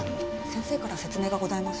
先生から説明がございます。